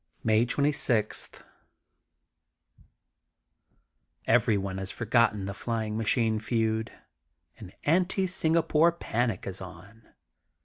May 26: — ^Everyone has forgotten the fly ing machine feud. An Anti Singapore panic is on.